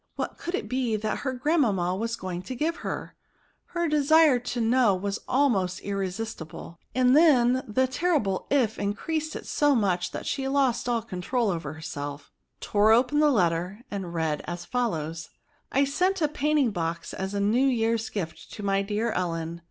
What could it be that her grandmamma was going to give her ! her de sire to know was almost irresistible ; and then the terrible (/* increased it so much that she lost all control over herself, tore open the letter, and read as foUows :—''! send a painting, box as a new yearns gift to my dear Ellen.